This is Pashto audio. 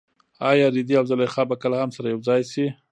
ایا رېدی او زلیخا به کله هم سره یوځای شي؟